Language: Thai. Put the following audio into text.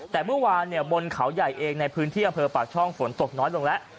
แต่เมื่อวานบนเขาใหญ่เองในพื้นที่อำเภอปากช่องฝนตกน้อยลงแล้ว